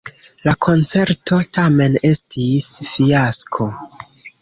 La koncerto tamen estis fiasko.